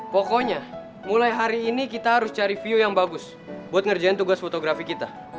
pokoknya mulai hari ini kita harus cari view yang bagus buat ngerjain tugas fotografi kita